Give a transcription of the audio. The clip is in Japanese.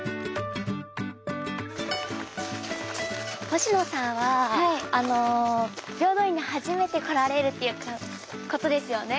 星名さんは平等院に初めて来られるっていうことですよね。